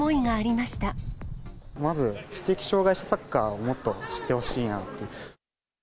まず、知的障がい者サッカーを、もっと知ってほしいなっていう。